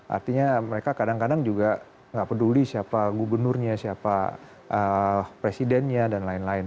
artinya mereka kadang kadang juga nggak peduli siapa gubernurnya siapa presidennya dan lain lain